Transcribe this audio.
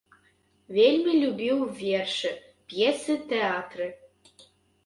Вельмі любіў вершы, п'есы, тэатр.